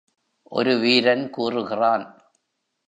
ஒரு வீரன் கூறுகிறான்.